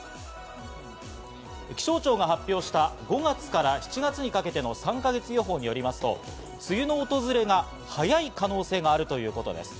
気象庁が発表した５月から７月にかけての３か月予報によりますと、梅雨の訪れが早い可能性があるということです。